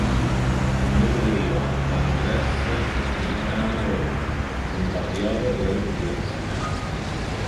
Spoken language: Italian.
Il nome deriva da Andrés Quintana Roo, un patriota della repubblica messicana.